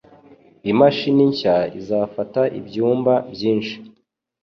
Imashini nshya izafata ibyumba byinshi.